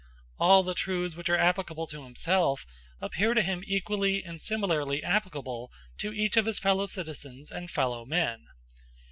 All the truths which are applicable to himself, appear to him equally and similarly applicable to each of his fellow citizens and fellow men.